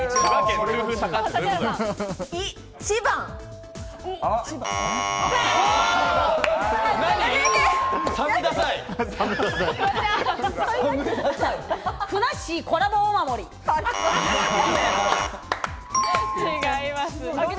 違います。